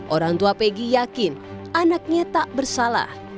orang tua peggy yakin anaknya tak bersalah